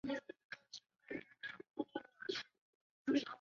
尽管此宪法在本质上具有局限性。